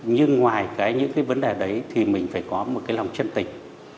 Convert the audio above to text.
nhưng ngoài những vấn đề đấy thì mình phải có một lòng chân tình